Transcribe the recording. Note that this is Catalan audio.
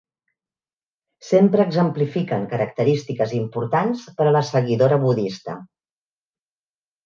Sempre exemplifiquen característiques importants per a la seguidora budista.